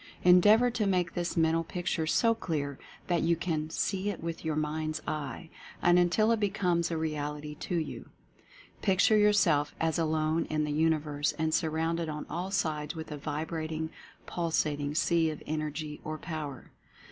Endeavor to make this Mental Picture so clear that you can "see it with your mind's eye," and until it becomes a real ity to you. Picture yourself as alone in the Universe and surrounded on all sides with a vibrating, pulsat ing sea of Energy, or Power.